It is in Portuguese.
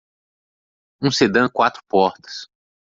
Um sedã quatro portas.